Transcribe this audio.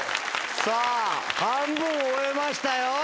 さぁ半分終えましたよ。